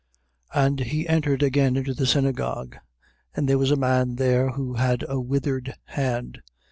3:1. And he entered again into the synagogue: and there was a man there who had a withered hand.